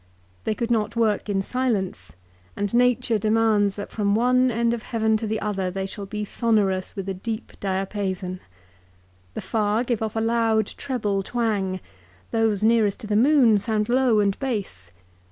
They could not work in silence, and nature demands that from one end of heaven to the other they shall be sonorous with a deep diapason. The far off give a loud treble twang. Those nearest to the moon sound low and base.